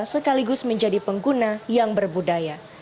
sekaligus menjadi pengguna yang berbudaya